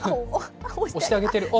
押してあげてる。